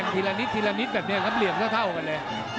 ละนิดทีละนิดแบบนี้ครับเหลี่ยมเท่ากันเลย